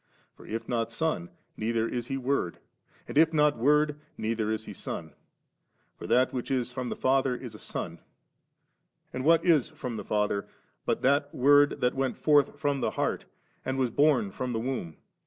For if not Son, neither is He Word; and if not Word, neither is He Son. For that which b from the &ther is a son ; and what is from the Father, but that Word that went forth from the heart, and was bom from the womb